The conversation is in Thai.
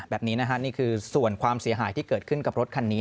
แบบนี้นะฮะนี่คือส่วนความเสียหายที่เกิดขึ้นกับรถคันนี้